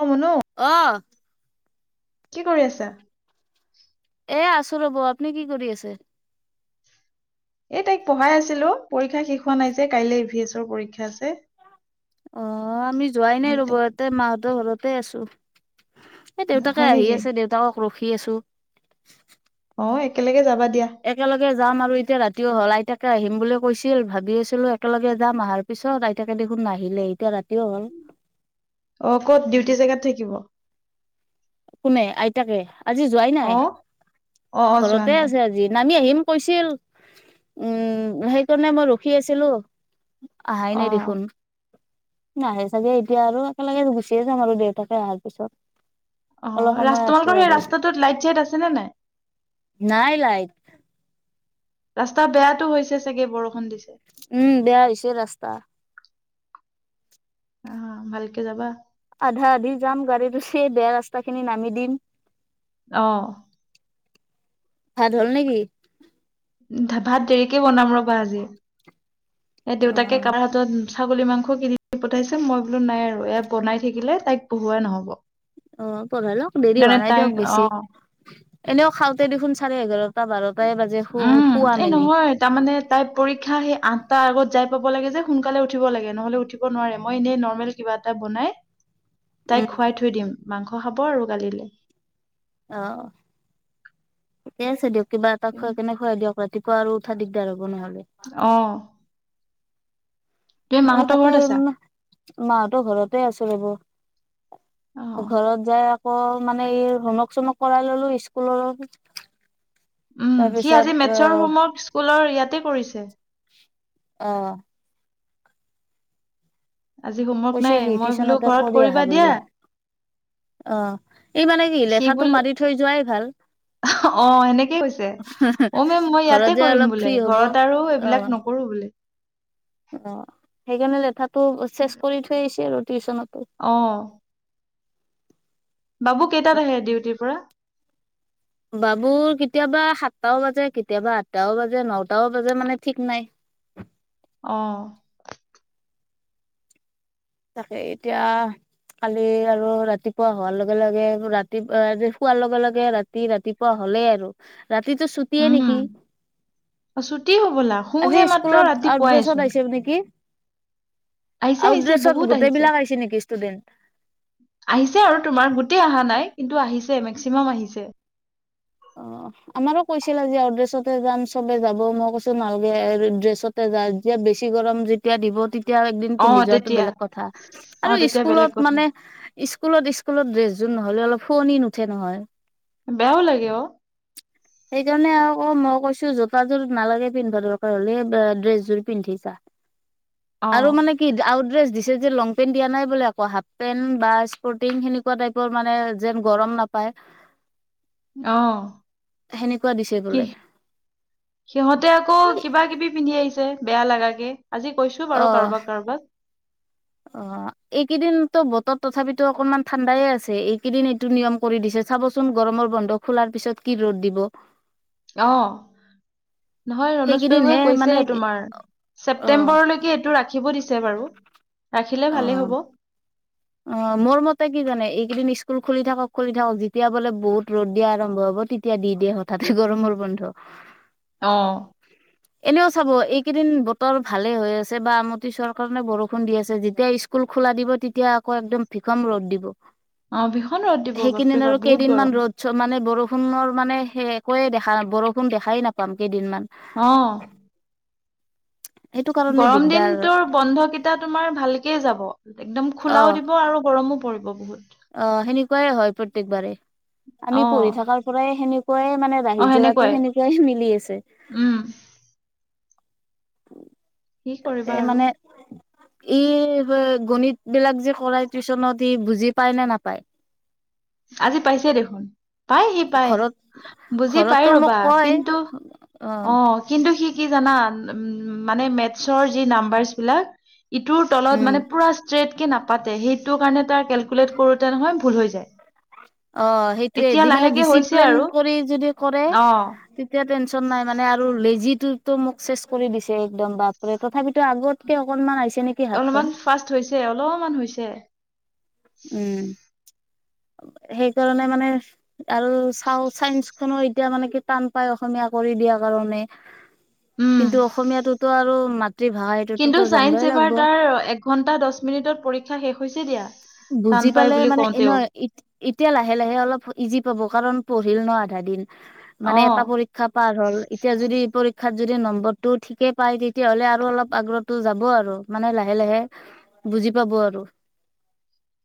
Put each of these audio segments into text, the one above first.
অ', মনো আহ। কি কৰি আছা? এ আছো ৰ'ব, আপুনি কি কৰি আছে? এই তাইক পঢ়াই আছিলো, পৰীক্ষা শেষ হোৱা নাই যে কাইলে ই ভি এছৰ পৰীক্ষা আছে। অ', আমি যোৱাই নাই এই ৰ'ব তাক ইয়াতে মাহঁতৰ ঘৰতে আছো। এই দেউতাকে হয় আহি নেকি আছে দেউতাকক ৰখি আছো। অ', একেলগে যাবা। দিয়া একেলগে যাম আৰু এতিয়া ৰাতিও হ'ল আইতাকে আহিম বুলি কৈছিল ভাবি আছিলো একেলগে যাম আহাৰ পিছত আইতাকে দেখোন নাহিলে এতিয়া ৰাতিও হ'ল। অ', ক'ত ডিউটি জেগাত থাকিব। কোনে আইতাকে? আজি যোৱাই নাই। অ অ অ যোৱা ঘৰতে নাই আছে আজি নামি আহিম কৈছিল, উম সেইকাৰণে মই ৰখি আছিলো আহাই অ নাই দেখোন। নাহে চাগে এতিয়া আৰু একেলগে গুচিয়ে যাম আৰু দেউতাকে অহাৰ পিছত। অলপ অ', ৰা সময় আছো তোমালোকৰ সেই আৰু। ৰাস্তাটোত লাইট চাইট আছে নে নাই? নাই লাইট। ৰাস্তা বেয়াতো হৈছে চাগে বৰষুণ দিছে উম বেয়া হৈছে ৰাস্তা। অ', ভালকে যাবা। আধা আধি যাম গাড়ীত উঠি, বেয়া ৰাস্তাখিনি নামি দিম। আহ। ভাত হ'ল নে কি? ভাত দেৰিকে বনাম ৰ'বা আজি। দেউতাকে অ', কামটোত ছাগলী মাংস কিনি পঠাইছে, মই বোলো নাই আৰু ইয়াত বনাই থাকিলে তাইক পঢ়ুৱাই নহ'ব। অ', পঢ়াই লওঁক দেৰি হোৱা সেইকাৰণে নাই তাইক দিয়ক বেছি। অ এনেও খাওঁতে দেখোন চাৰে এঘাৰটা বাৰতা উম এই নহয় তাৰমানে তাই পৰীক্ষা সেই আঠটা আগত যাই ল সোনকালে উঠিব লাগে নহ'লে উঠিব নোৱাৰে মই এনেই নৰ্মেল কিবা এটা বনাই তাইক উম। খুৱাই থৈ দিম মাংস খাব আৰু কালিলে। অ', ঠিকে আছে দিয়ক কিবা এটা খুৱাই কেনে শোৱাই দিয়ক ৰাতিপুৱা আৰু উঠা দিগদাৰ হ'ব নহ'লে। অ', তুমি মইও মাহঁতৰ তাকে, ঘৰত আছা? মাহতো ঘৰতে আছে ৰব। অ', ঘৰত যাই অ মানে এই হোমৰ্ক-চমক কৰাই ললো স্কুলৰ উম। সি তাৰপিছত আজি মেথছৰ অ', হোমৱৰ্ক স্কুলৰ ইয়াতে কৰিছে। আহ আজি হোমৱৰ্ক নাই কৈছেহি মই বোলো টিউচনতে ঘৰত কৰি কৰিবা আহা দিয়া বুলি। অ এই মানে কি সি লেঠাটো বোলে মাৰি থৈ যোৱাই ভাল। অ সেনেকেই কৈ। অ, মেম মই ঘৰত ইয়াতে যাই অলপ কৰিম ফ্ৰী বোলে হ'ব অ', ঘৰত আৰু এইবিলাক নকৰো বোলে। অ সেইকাৰণে লেঠাটো চেচ কৰি থৈ আহিছে আৰু টিউচনত। আহ। বাবু কেইটাত আহে ডিউটিৰ পৰা। বাবুৰ কেতিয়াবা সাতটাও বাজে, কেতিয়াবা আঠটাও বাজে, নটাও বাজে মানে ঠিক নাই। [inaudible] আহ। তাকে এতিয়া কালি আৰু ৰাতিপুৱা হোৱাৰ লগে লগে ৰাতি এ শোৱাৰ লগে লগে ৰাতি ৰাতিপুৱা হয় হ'লে আৰু ৰাতিটো ছুটিয়ে উম। নেকি। অ ছুটি হবলা আজি শুহে মাত্ৰ স্কুলত আউটড্ৰেছত ৰাতিপুৱাইচোন আহিছে নেকি? আহিছে। আহিছে। আউটড্ৰেছত বহুত গোটেই আহিছে, বিলাক নেকি ষ্টুডেন্ট আহিছে আৰু তোমাৰ গোটেই অহা নাই। কিন্তু আহিছে মেক্সিমাম আহিছে। অ আমাৰো কৈছিলে আজি অড্ৰেছতে যাম চবে যাব, মই কৈছো নালাগে ড্ৰেছতে যা যে বেছি গৰম যেতিয়া দিব তে এতিয়াও এদিন অ পিন্ধি যোৱাাতটো তেতিয়া বেলেগ কথা, অ আৰু তেতিয়া বেলেগ স্কুলত কথা মানে স্কুলত স্কুলত ড্ৰেছ যোন নহলে অলপ শুৱোনি নুঠে নহয়। বেয়াও লাগে অ সেইকাৰণে আকৌ মই কৈছো জোতাযোৰ নালাগে পিন্ধিবা দৰকাৰ হ'লে ড্ৰেছযোৰ পিন্ধি জা। অ আৰু মানে কি আউট্ৰেছ দিছে যে লং পেণ্ট দিয়া নাই বোলে আকৌ। হাফ পেন্ট বা স্পৰ্টিং সেকুৱা টাইপৰ মানে যেন গৰম নাপ পায় অহ দিছে কি বোলে সিহঁতে আকৌ কিবা কিবি পিন্ধি আহিছে। বেয়া লাগা কে আজি কৈছো বাৰু অ', কাৰোবাক কাৰোবাক। অ এইকেইদিনতো বতৰ তথাপিতো অকনমান ঠাণ্ডাইে আছে। এইকেইদিন এইটো নিয়ম কৰি দিছে চাবচোন গৰমৰ বন্ধ খোলাৰ পিছত কি ৰ'দ দিব। আহ নহয়। ৰনোজ সেইকেইদিনহে পেগুগৱে মানে কৈছে তোমাৰ অ', ছেপ্তেম্বৰলৈকে এইটো ৰাখিব দিছে বাৰু। ৰাখিলে অ, ভালেই হ'ব অ মোৰ মতে স্কুল খুলি থাকক, খুলি থাকক। যেতিয়া বোলে বহুত ৰ'দ দিয়া আৰম্ভ হব তেতিয়া দি দিয়ে হঠাতে গৰমৰ বন্ধ। অ এনেও চাব এইকেইদিন বতৰ ভালে হৈ আছে। বা আমতি চুৱাৰ কাৰণে বৰষুণ দি আছে যেতিয়া স্কুল খোলা দিব। তেতিয়া আকৌ একদম ভীষম ৰ'দ দিব। অ ভীষণ ৰ'দ দিব বাপৰে সেইকেইদিন আৰু বাপ বহুত গৰম কেইদিনমান ৰ'দ মানে বৰষুণৰ মানে সেই একোৱে দেখা বৰষুণ দেখাই নাপাম কেইদিনমান। আহ সেইটো কাৰণে গৰম দিগদাৰ দিনটোৰ বন্ধকেইটা তোমাৰ ভালকে যাব। একদম অ খোলাও দিব আৰু গৰমো পৰিব বহুত। অ সেনেকুৱাই হয় প্ৰত্যকবাৰে। অ আমি পঢ়ি থকাৰ পৰাই সেনেকুৱাইে মানে ৰাহি যোৰাতো সেনেকুৱাই মিলি আছে। উম [unintelligible] উ [unintelligible] কি কৰিবা আৰু। ই গণিত বিলাক যে কৰাই টিউচনত ই বুজি পায় নে নাপায়? আজি পাইছে দেখোন। পাই সি পায় ঘৰত বুজি পাই ঘৰতো মোক ৰ'বা কয় কিন্তু অ', কিন্তু সি কি জানা, উ মানে মেথছৰ যি নাম্বাৰ্চ বিলাক ইটোৰ তলত উম মানে পুৰা ষ্ট্ৰেইট কে নাপাতে সেইটোৰ কাৰণে তাৰ কেলকুলেট কৰোতে নহয় ভুল হৈ যায় অ', সেইটোয়ে এতিয়া দি মানে লাহেকে হৈছে ডিচিপ্লিন আৰু কৰি যদি কৰে, অ তেতিয়া টেনচন নাই মানে আৰু লেজিত মোক চেচ কৰি দিছে একদম বাপৰে। তথাপিতো আগতকে অকনমান আ অলপমান ফাষ্ট হৈছে। অলপমান হৈছে। উম। সেইকাৰণে মানে আৰু চা চাইন্সখনো এতিয়া মানে কি টান পাই অসমীয়া কৰি দিয়া কাৰণে। উম কিন্তু অসমীয়াটোতো আৰু মাত কিন্তু চাইন্স এবাৰ তাৰ এক ঘন্টা দহ মিনিটত পৰীক্ষা শেষ হৈছে দি বুজি পালে মানে এ নহয় এতিয়া লাহে লাহে অলপ ইজি পাব কাৰণ পঢ়িলে ন' আধা দিন অ মানে এটা পৰীক্ষা পাৰ হ'ল এতিয়া যদি পৰ শিক্ষাত যদি নম্বৰটো ঠিকে পাই তেতিয়াহ'লে আৰু অলপ আগ্ৰহটো যাব আৰু মানে লাহে লাহে বুজি পাব আৰু।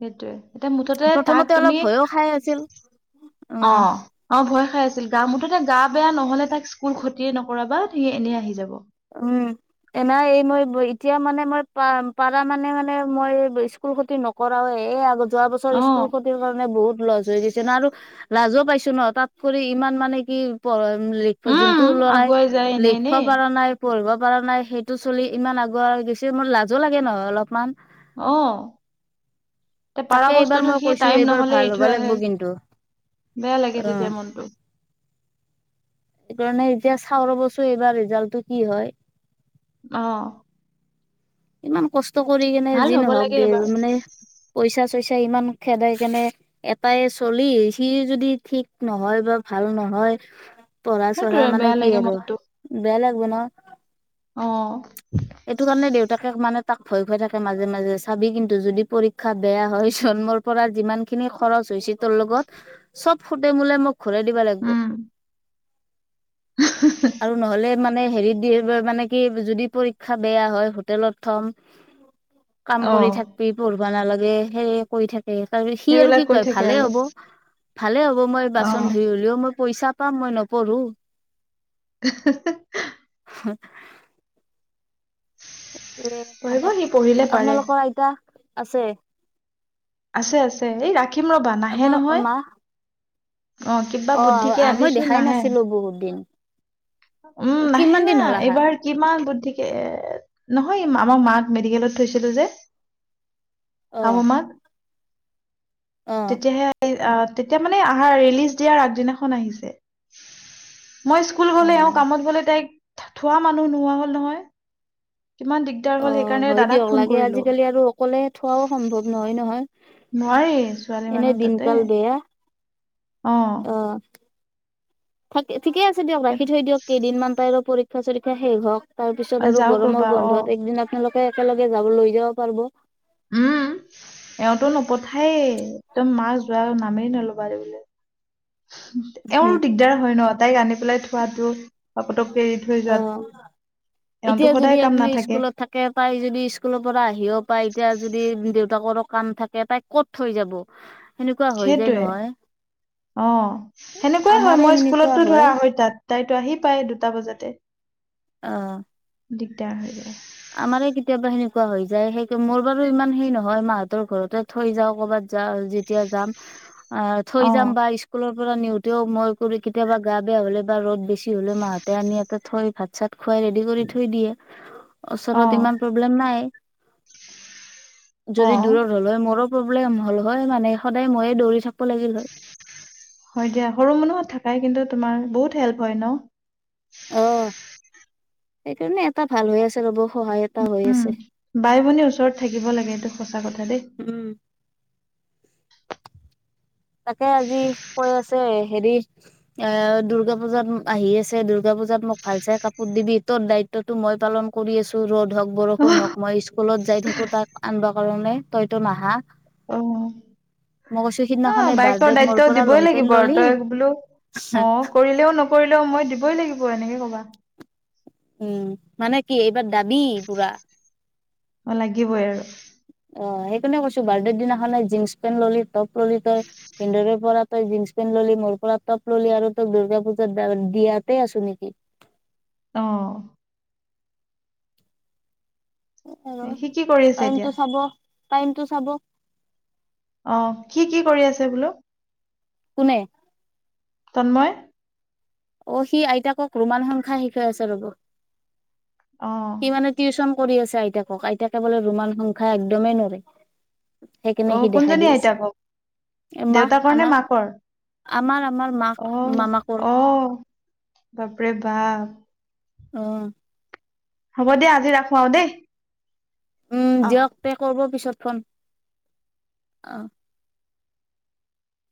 সেইটোৱে এতিয়া মুঠতে তাক প্ৰথমতে অলপ তুমি ভয়ো খাই আছিল উম অ', অ', ভয় খাই আছিল গা মঠি মুঠতে গা বেয়া নহ'লে তাক স্কুল খতিয়ে নকৰাবা সি এনেই আহি যাব। উম। এনে এই মই এতিয়া মানে মই প পাৰা মানে মানে মই স্কুল খতি নকৰাওে এ আগ যোৱা বছৰ অ স্কুল খতিৰ কাৰণে বহুত লছ হৈ গৈছে ন', আৰু লাজো পাইছো ন' তাত কৰি ইমান মানে কি প লিখিব উম যোনটো লৰাই আগুৱাই যায় এনে লিখিব এনেই পৰা নাই পঢ়িব পৰা নাই সেইটো চলি ইমান আগুৱাই গৈছে মোৰ লাজো লাগে নহয় অলপমান। আহ তে পাৰা তাকে এইবাৰ বস্তুটো মই সি কৈছো টাইম এইবাৰ নহ'লে ভাল এৰি হ'ব থৈ লাগিব আহে কিন্তু বেয়া লাগে অ তেতিয়া মনটো। সেইকাৰণে এতিয়া চাও ৰবছো এইবাৰ ৰিজাল্টটো কি হয়। আহ। ইমান কষ্ট কৰি কেনে যি হব নহক লাগে দে এইবাৰ মানে পইচা চইচা ইমান খেদাই কেনে এটাই চলি সি যদি ঠিক নহয় বা ভাল ভাল নহয় পঢ়া চঢ়া সেইটোৱে মানে বেয়া কি লাগে আৰু মনটো বেয়া লাগে অ এইটো কাৰণে দেউতাকে মানে তাক ভয় খোৱাই থাকে মাজে মাজে চাবি কিন্তু যদি পৰী ক্ষা বেয়া হয় জন্মৰ পৰা যিমান খিনি খৰচ হৈছে তোৰ লগত চব সুঁতে মোলে মোক ঘুৰাই দিবা লাগিব। উম আৰু নহ'লে মানে হেৰিত মানে কি যদি পৰীক্ষা বেয়া হয় হোটেলত থম কাম অ কৰি থাকিবি পঢ়বা নালাগে সেয়ে কৰি থাকিবি স তাৰ সি আৰু সেইবিলাক কি কৈ কয় থাকে ভালে আৰু হ'ব ভালে হ'ব মই অ বাচন ধুই হ'লেও মই পইচা পাম মই নপঢ়ো [unintelligible] হ। ত পঢ়িব মানে সি পঢ়িলে পাৰে আপোনালোকৰ আইতা আছে আছে আছে এই ৰাখিম ৰ'বা নাহে আপোনাৰ নহয়। মা অ কিবা অ', বুদ্ধিকে আহ মই আনিছো দেখাই নাহে নাছিলো বহুত দিন উম নাহে কিমান না দিন হ'ল আহা এইবাৰ কিমান বুদ্ধিকে এ নহয় আমাক মাক মেডিকেলত থৈছিলো যে অ শাহো মাক। অ তেতিয়াহে আহে। অ তেতিয়া মানে আহাৰ ৰিলিজ দিয়াৰ আগদিনাখন আহিছে, মই স্কুল অ গলে আহও কামত বোলে তাইক থোৱা মানুহ নোহোৱা হ'ল নহয়। কিমান দিগদাৰ অ হ'ল সেইকাৰণে হয় দাদাক দিয়ক ফোন লাগে, কৰিলো আজিকালি আৰু অকলে থোৱাও সম্ভৱ নহয় নহয়। নোৱাৰি ছোৱালী মানুহ তাতে। অ আহ। থাক ঠিকে আছে দিয়ক ৰাখি থৈ দিয়ক কেইদিনমান পাই আৰু পৰীক্ষা চৰীক্ষা শেষ হওক। তাৰ পিছত আৰু যাওক গৰমৰ ৰবা অ বন্ধত একদিন আপোনালোকে একেলগে যাব লৈ যাব পাৰিব। হম। এওঁতো নপথায়ে একদম মা যোৱা নামেই নলবা দে বোলে। এওঁৰো দিগদাৰ হয় ন', তাইক আনি পেলাই থোৱাতো। হৈ য অ [unintelligible] এতিয়া যদি আপুনি স্কুলত থাকে তাই যদি স্কুলৰ পৰা আহিও পায় এতিয়া যদি তাকৰ কাম থাকে তাই ক'ত থৈ যাব? সেনেকুৱা হৈ যায় সেইটোৱে নহয় অ', সেনেকুৱাই হয় আমাৰে মই সেনেকুৱা স্কুলতো ধৰা হয় আঢ়ৈতাত তাইতো আহি পায় দুটা বজাতে অ দিগদাৰ। আমাৰে কেতিয়াবা সেনেকুৱা হৈ যায়, সেই মোৰ বাৰু ইমান সেই নহয় মাহতৰ ঘৰতে থৈ যাও কৰ'বাত। য যেতিয়া যাম অ থৈ যাম বা স্কুলত পৰা নিওঁতেও মই কৰি কেতিয়াবা গা বেয়া হলে বা, ৰদ বেছি হ'লে মাহঁতে আনি এটা থৈ ভাত চাত খুৱাই ৰেডি কৰি থৈ দিয়ে অ ওচৰত ইমান প্ৰব্লেম নাই। অ যদি দূৰত হল হয় মোৰো প্ৰব্লেম হ'ল হয় মানে সদায় ময়ে দৌৰি থাকো। হয় দিয়া সৰু মানুহত থাকাই কিন্তু তোমাৰ বহুত হেল্প হয় ন। অ সেইকাৰণে এটা ভাল হৈ আছে ৰ'ব। সহায় এটা হৈ আছে উম বাই ভনী ওচৰত থাকিব লাগে এইটো সঁচা কথা দেই। তাকে আজি কৈ আছে হেৰি এ দুৰ্গা পুজাত আহি আছে দূৰ্গা পজ পজাত মোক ভাল চাই কাপোৰ দিবি তৰ দায়িত্বতো মই পালন কৰি আছো, ৰ'দ হওক বৰষুণ হওক মই স্কুলত যাই থাকো তাক আনিব কাৰণে তইতো নাহা। অ। মগচুখিনি অ বাইকৰ দায়িত্ব দিবই লাগিব আৰু, তই বোলো অ কৰিলেও নকৰিলেও মই দ ই লাগিব এনেকে কবা। উম মানে কি এইবাৰ দাবি পুৰা। অ লাগিবই আৰু। অ সেইকাৰণে কৈছো বাৰ্থডে দিনাখনে জীন্চ পেন্ট ললি টপ ললি তই পিন্ধৰে পৰা। তই জীন্স পেন্ট ললি মোৰ পৰা টপ ললি আৰু তই দূৰ্গা পূজাত দিয়াতেই আছো নেকি। অ আৰু সি কি কৰি আছে এতিয়া টাইমটো চাব টাইমটো চাব। অ সি কি কৰি আছে বোলে। কোনে? তন্ময়়! অ সি আইতাকক ৰোমান সংখ্যা শিকাই আছে ৰব অ সি মানে টিউচন কৰি আছে আইতাকক আইতাকে বোলে ৰোমান সংখ্যা একদমেই নৰে। সেইকাৰনে অ সি দেখাই কোনজনী দি আছে আইতাকক মাক দেউতাকৰ নে আমাক মাকৰ আমাৰ তোমাৰ মাক অ মামাকৰ। অ বাপৰে বাপ। অ হ'ব দে আজি ৰাখো আৰু দেই। উম অহ দিয়ক তে কৰিব পিছত ফোন, অ।